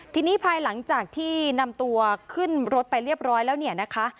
ทีนี้ภายหลังจากที่นำตัวขึ้นรถไปเรียบร้อยแล้วเนี่ยนะคะ